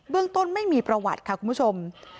ต้นไม่มีประวัติค่ะคุณผู้ชม